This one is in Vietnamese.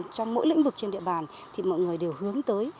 trong mỗi lĩnh vực trên địa bàn thì mọi người đều hướng tới